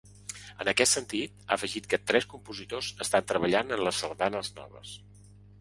En aquest sentit, ha afegit que tres compositors estan treballant en les sardanes noves.